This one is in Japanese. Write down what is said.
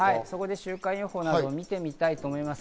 週間予報などを見てみたいと思います。